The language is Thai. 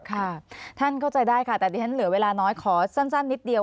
ค่ะท่านเข้าใจได้ค่ะแต่ดิฉันเหลือเวลาน้อยขอสั้นนิดเดียว